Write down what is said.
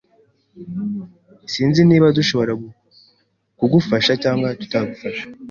Sinzi niba dushobora kugufasha cyangwa tutagufasha.